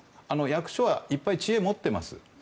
役所はいっぱい知恵を持っています